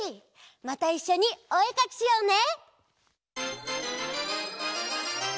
またいっしょにおえかきしようね！